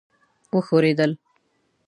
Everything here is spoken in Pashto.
وښورېدل.